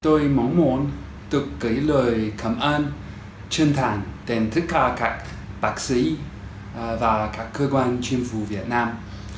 tôi mong muốn được kể lời cảm ơn chân thành đến tất cả các bác sĩ và các cơ quan chính phủ việt nam